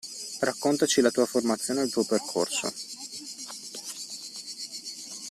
Raccontaci la tua formazione e il tuo percorso.